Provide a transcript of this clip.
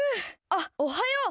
あっおはよう。